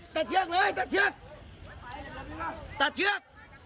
เชือกเลยตัดเชือกตัดเชือก